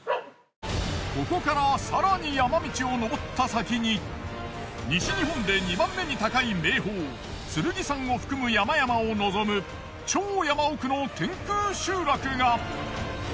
ここから更に山道を登った先に西日本で２番目に高い名峰剣山を含む山々を望む超山奥の天空集落が。